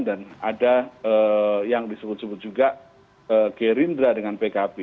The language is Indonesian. dan ada yang disebut sebut juga gerindra dengan pkb